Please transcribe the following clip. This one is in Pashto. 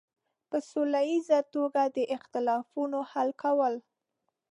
په سوله ییزه توګه د اختلافونو حل کول.